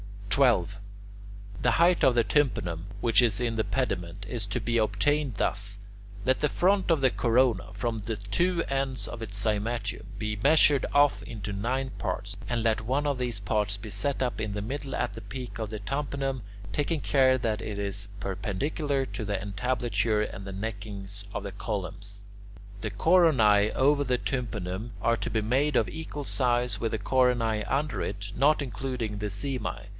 12. The height of the tympanum, which is in the pediment, is to be obtained thus: let the front of the corona, from the two ends of its cymatium, be measured off into nine parts, and let one of these parts be set up in the middle at the peak of the tympanum, taking care that it is perpendicular to the entablature and the neckings of the columns. The coronae over the tympanum are to be made of equal size with the coronae under it, not including the simae.